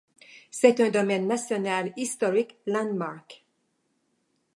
C’est un domaine National Historic Landmark.